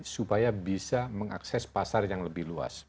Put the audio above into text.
supaya bisa mengakses pasar yang lebih luas